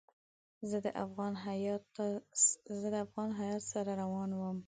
زه د افغان هیات سره روان وم.